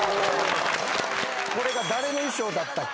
これが誰の衣装だったっけな？